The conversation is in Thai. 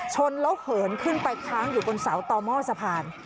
ชนแล้วเหินขึ้นไปค้างอยู่บนเสาต่อหม้อสะพาน